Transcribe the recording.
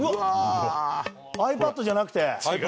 ｉＰａｄじゃない。